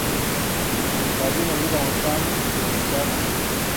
بادي انرژي د افغانستان د زرغونتیا نښه ده.